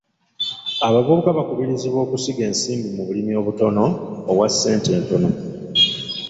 Abavubuka bakubirizibwa okusiga ensimbi mu bulimu obutono obwa ssente entono.